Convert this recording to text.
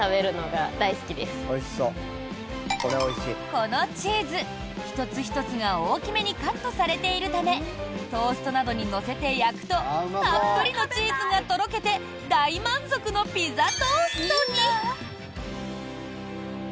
このチーズ、１つ１つが大きめにカットされているためトーストなどに乗せて焼くとたっぷりのチーズがとろけて大満足のピザトーストに。